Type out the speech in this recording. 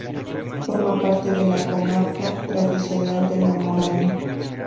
Forma parte de la comarca tradicional de la Moraña.